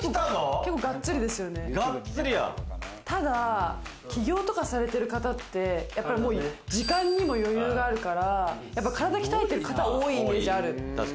ただ起業とかされてる方って時間にも余裕があるから、体鍛えてる方も多いイメージある。